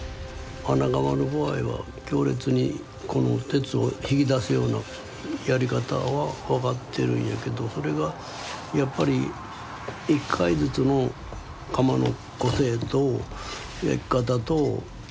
穴窯の場合は強烈にこの鉄を引き出すようなやり方は分かってるんやけどそれがやっぱり１回ずつの窯の個性と焼き方とによっても全て変わってくる。